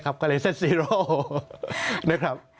ก็เลยเซ็ต๐นะครับ